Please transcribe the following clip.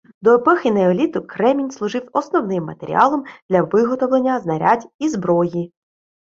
До епохи неоліту кремінь служив основним матеріалом для виготовлення знарядь і зброї.